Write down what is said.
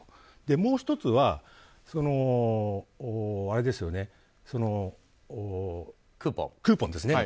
もう１つはクーポンですよね。